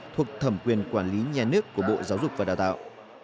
thuộc thẩm quyền quản lý nhà nước của bộ giáo dục và đào tạo